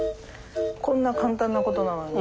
こんな簡単な事なのにね。